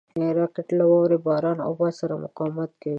راکټ له واورې، باران او باد سره مقاومت کوي